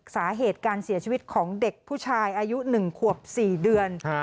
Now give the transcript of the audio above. สาเหตุการเสียชีวิตของเด็กผู้ชายอายุ๑ขวบ๔เดือน